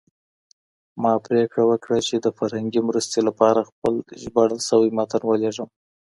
ما پرېکړه وکړه چې د فرهنګي مرستې لپاره خپل ژباړل شوی متن ولیږم.